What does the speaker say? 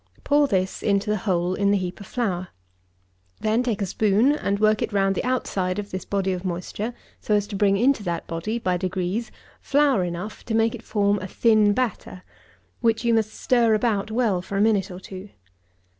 Pour this into the hole in the heap of flour. Then take a spoon and work it round the outside of this body of moisture so as to bring into that body, by degrees, flour enough to make it form a thin batter, which you must stir about well for a minute or two.